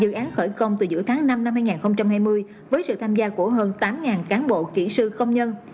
dự án khởi công từ giữa tháng năm năm hai nghìn hai mươi với sự tham gia của hơn tám cán bộ kỹ sư công nhân